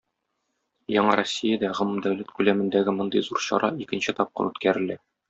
Яңа Россиядә гомумдәүләт күләмендәге мондый зур чара икенче тапкыр үткәрелә.